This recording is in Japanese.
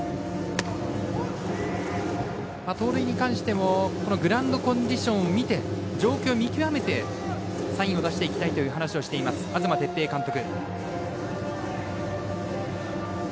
盗塁に関してもグラウンドコンディションを見て状況を見極めてサインを出していきたいという話をしています、東哲平監督。